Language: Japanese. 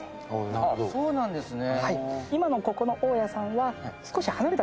あっそうなんですか。